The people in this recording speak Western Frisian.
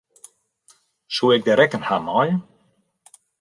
Soe ik de rekken ha meie?